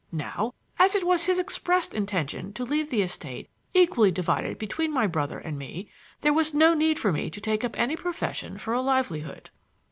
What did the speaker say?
Now, as it was his expressed intention to leave the estate equally divided between my brother and me, there was no need for me to take up any profession for a livelihood.